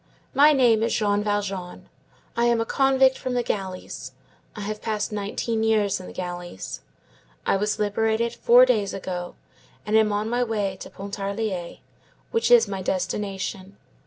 My name is Jean Valjean. I am a convict from the galleys. I have passed nineteen years in the galleys. I was liberated four days ago, and am on my way to Pontarlier, which is my destination.